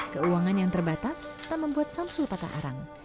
keuangan yang terbatas tak membuat samsul patah arang